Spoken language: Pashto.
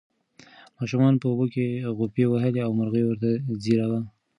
ماشومانو په اوبو کې غوپې وهلې او مرغۍ ورته ځیر وه.